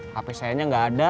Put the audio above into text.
hape sayanya gak ada